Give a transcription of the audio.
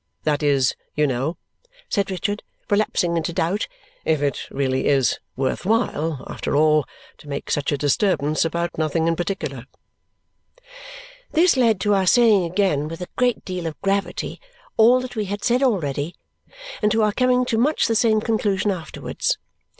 That is, you know," said Richard, relapsing into doubt, "if it really is worth while, after all, to make such a disturbance about nothing particular!" This led to our saying again, with a great deal of gravity, all that we had said already and to our coming to much the same conclusion afterwards.